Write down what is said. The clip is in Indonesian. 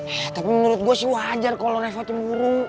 eh tapi menurut gue sih wajar kalo reva cemburu